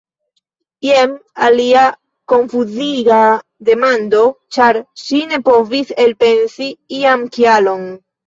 Jen alia konfuziga demando! Ĉar ŝi ne povis elpensi ian kialon.